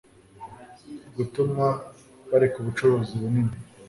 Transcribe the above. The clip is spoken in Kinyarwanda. gutuma bareka ubucuruzi bunini